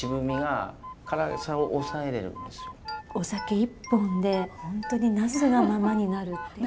お酒一本で本当にナスがままになるっていう。